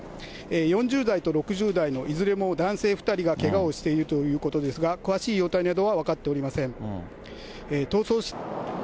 ４０代と６０代のいずれも男性２人がけがをしているということですが、詳しい容体などは分かっておりません。